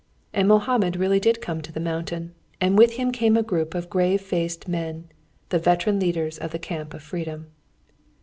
And Mohammed really did come to the "mountain," and with him came a group of grave faced men, the veteran leaders of the camp of freedom.